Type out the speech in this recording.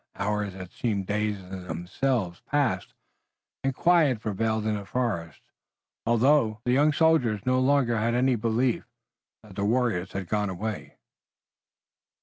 Hours that seemed days in themselves passed, and quiet prevailed in the forest, although the young soldiers no longer had any belief that the warriors had gone away.